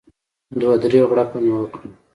دوه درې غوړپه مې وکړل.